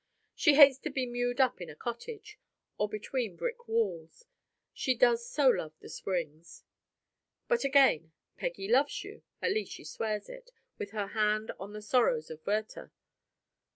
She hates to be mewed up in a cottage, or between brick walls; she does so love the Springs! But, again, Peggy loves you at least she swears it, with her hand on "The Sorrows of Werter."